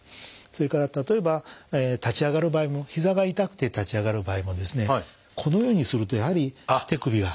それから例えば立ち上がる場合もひざが痛くて立ち上がる場合もこのようにするとやはり手首は。